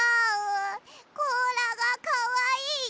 こうらがかわいいだよ！